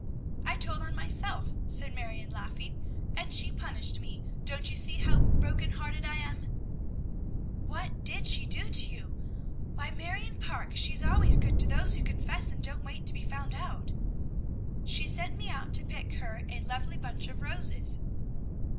"I told on myself," said Marion, laughing, "and she punished me. Don't you see how broken hearted I am?" "What did she do to you? Why, Marion Parke, she is always good to those who confess and don't wait to be found out!" "She sent me out to pick her a lovely bunch of roses."